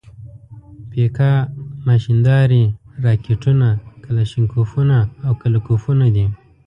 پیکا ماشیندارې، راکېټونه، کلاشینکوفونه او کله کوفونه دي.